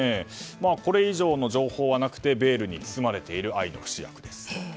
これ以上の情報はなくてベールに包まれている愛の不死薬です。